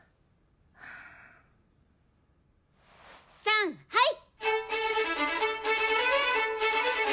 さんはい！